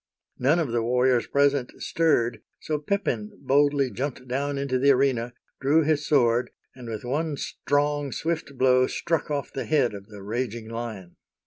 None of the warriors present stirred, so Pepin boldly jumped down into the arena, drew his sword, and with one strong, swift blow struck off the head of the raging lion.